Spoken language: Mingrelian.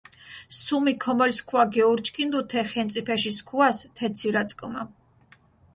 სუმი ქომოლ სქუაქ გეურჩქინდუ თე ხენწიფეში სქუას თე ცირაწკჷმა.